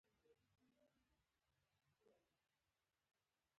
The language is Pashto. دین، سوداګري او ټولنیزې نښې هم په دې دوره کې څرګندې شوې.